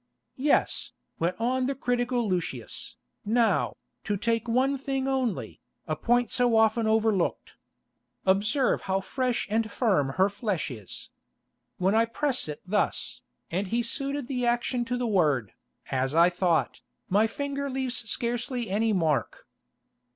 "Yes," went on the critical Lucius, "now, to take one thing only, a point so often overlooked. Observe how fresh and firm her flesh is. When I press it thus," and he suited the action to the word, "as I thought, my finger leaves scarcely any mark."